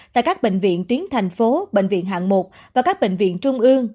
tại các bệnh viện tuyến thành phố bệnh viện hạng một và các bệnh viện trung ương